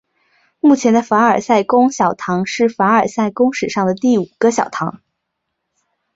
目前的凡尔赛宫小堂是凡尔赛宫历史上的第五个小堂。